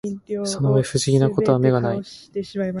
その上不思議な事は眼がない